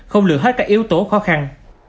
không lừa hết các yếu tố khó khăn